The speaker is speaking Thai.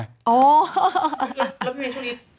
แล้วนี้พี่มีคุณอิท